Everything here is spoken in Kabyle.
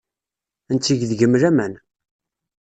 Netteg deg-m laman.